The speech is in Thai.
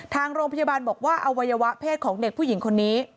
ทางโรงพยาบาลบอกว่าอวัยวะเพศของเด็กผู้หญิงคนนี้